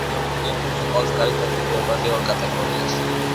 ფილმი ნომინირებული იყო ოსკარის დაჯილდოებაზე ორ კატეგორიაში.